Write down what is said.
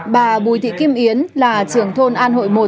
bà bùi thị kim yến là trưởng thôn an hội một